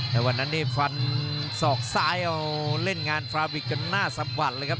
แต่วันนั้นฟันสอกซ้ายเล่นงานฟราบิกก็น่าสะบัดเลยครับ